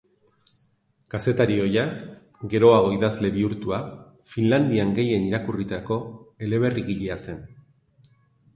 Kazetari ohia, geroago idazle bihurtua, Finlandian gehien irakurritako eleberrigilea zen.